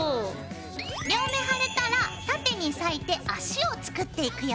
両目貼れたら縦に裂いて足を作っていくよ。